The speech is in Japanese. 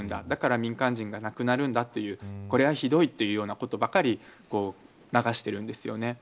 だから民間人が亡くなるんだというこれはひどいということばかり流しているんです。